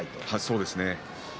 そうですね。